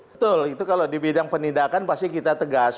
betul itu kalau di bidang penindakan pasti kita tegas